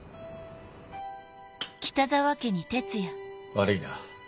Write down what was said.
悪いな。